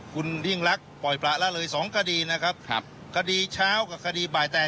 คุณยิ่งรักปล่อยประละเลยสองคดีนะครับครับคดีเช้ากับคดีบ่ายแตก